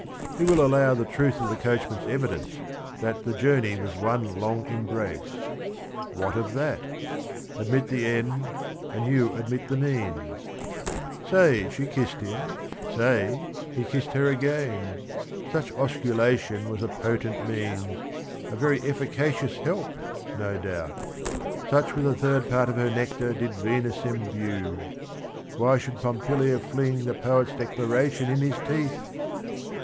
He will allow the truth of the coachman , s~evidence that "the journey was one long embrace." What of that ? Admit the end, a.nrl ynn admit the meam "Say, she kissed him, say, he kissed her again I Such osculation was a potent means, A very efficacious help, no doubt : Such with a third part of her nectar did Venus imbue : why should Pompilia fling The poet's declaration in his teeth?